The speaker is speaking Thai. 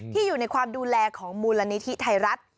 อยู่ในความดูแลของมูลนิธิไทยรัฐ